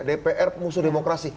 dpr musuh demokrasi